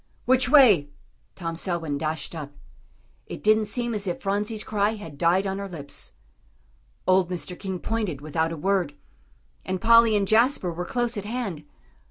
"Which way?" Tom Selwyn dashed up. It didn't seem as if Phronsie's cry had died on her lips. Old Mr. King pointed without a word. And Polly and Jasper were close at hand.